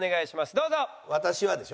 どうぞ。